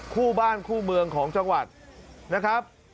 คู่บ้านคู่เมืองของจังหวัดนะครับ